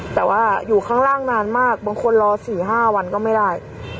แต่ว่าอยู่ข้างล่างนานมากบางคนรอ๔๕วันก็ไม่ได้